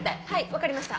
わかりました。